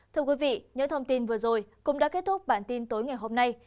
thưa quý vị những thông tin vừa rồi cũng đã kết thúc bản tin tối ngày hôm nay